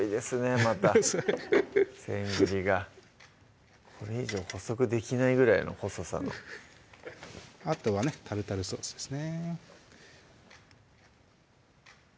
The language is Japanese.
またせん切りがこれ以上細くできないぐらいの細さのあとはねタルタルソースですね